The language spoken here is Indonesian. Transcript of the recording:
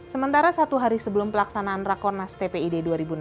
sementara satu hari sebelum pelaksanaan rakornas tpid dua ribu enam belas